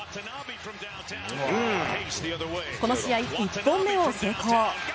この試合、１本目を成功。